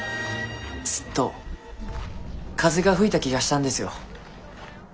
スッと風が吹いた気がしたんですよ。